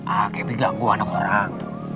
alkemi ganggu anak orang